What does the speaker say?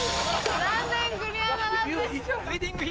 残念クリアならずです。